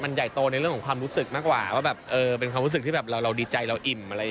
มันใหญ่โตในเรื่องของความรู้สึกมากกว่าว่าเป็นความรู้สึกที่เราดีใจเราอิ่ม